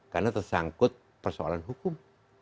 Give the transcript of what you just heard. karena tersangkut persoalan hukum